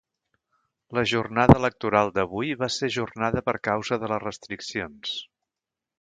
La jornada electoral d’avui va ser ajornada per causa de les restriccions.